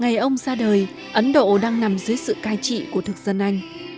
ngày ông ra đời ấn độ đang nằm dưới sự cai trị của thực dân anh